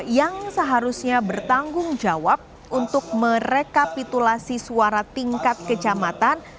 yang seharusnya bertanggung jawab untuk merekapitulasi suara tingkat kecamatan